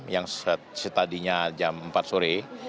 yang tadinya jam empat sore